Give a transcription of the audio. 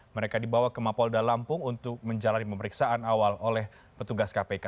mereka dibawa ke mapolda lampung untuk menjalani pemeriksaan awal oleh petugas kpk